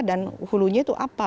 dan hulunya itu apa